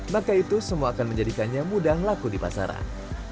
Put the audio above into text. maka itu semua akan menjadikannya mudah laku di pasaran